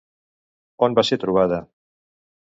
On va ser trobada?